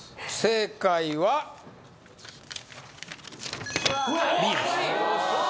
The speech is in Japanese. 正解はＢです